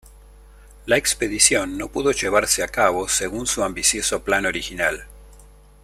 La expedición no pudo llevarse a cabo según su ambicioso plan original.